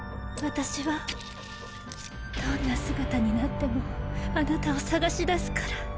私はどんな姿になってもあなたを探し出すから。